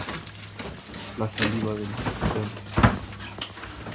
Ya con "Dusk" se observa el genio musical de la banda.